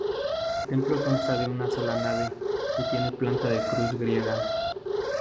El templo consta de una sola nave y tiene planta de cruz griega.